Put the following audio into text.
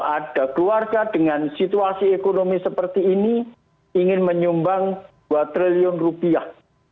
ada keluarga dengan situasi ekonomi seperti ini ingin menyumbang dua triliun rupiah